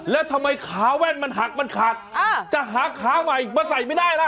แล้วทำไมขาแว่นมันหักมันขาดจะหาขาใหม่มาใส่ไม่ได้ล่ะ